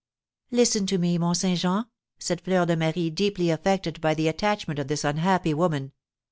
"Listen to me, Mont Saint Jean!" said Fleur de Marie, deeply affected by the attachment of this unhappy woman.